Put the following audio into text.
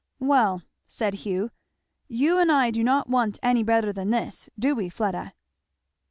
"Well," said Hugh, "you and I do not want any better than this, do we, Fleda?"